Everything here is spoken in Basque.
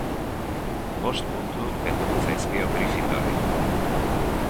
Bost puntu kenduko zaizkio Gryffindorri.